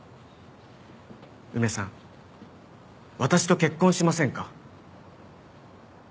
梅さん私と結婚しませんか？